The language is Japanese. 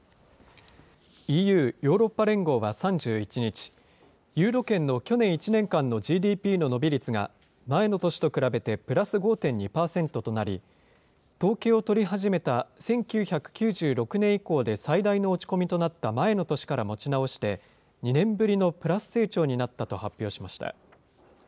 ＥＵ・ヨーロッパ連合は３１日、ユーロ圏の去年１年間のＧＤＰの伸び率が、前の年と比べてプラス５．２％となり、統計を取り始めた１９９６年以降で最大の落ち込みとなった前の年から持ち直して、２年ぶりのプラス成長になったと発表しました。